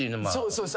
そうです。